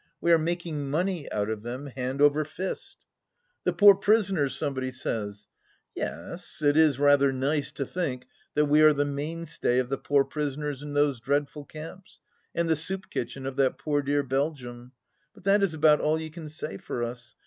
We are making money out of them, hand over fist. The poor prisoners, somebody says ! Yes, it is rather nice to think that we are the mainstay of the poor prisoners in those dreadful camps, and the soup kitchen of poor dear Belgium. But that is about all you can say for us.